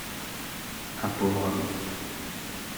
Un pauvre homme.